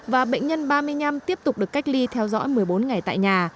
và bệnh nhân ba mươi năm tiếp tục được cách ly theo dõi một mươi bốn ngày tại nhà